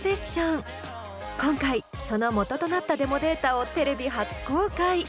今回その元となったデモデータをテレビ初公開！